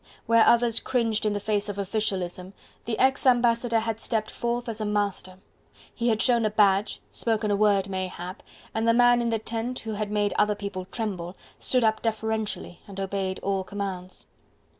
Where others cringed in the face of officialism, the ex ambassador had stepped forth as a master: he had shown a badge, spoken a word mayhap, and the man in the tent who had made other people tremble, stood up deferentially and obeyed all commands.